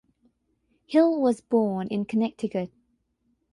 Hill was born in Connecticut.